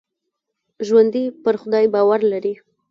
ژوندي پر خدای باور لري